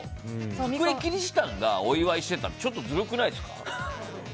隠れキリシタンがお祝いしてたらちょっとずるくないですか。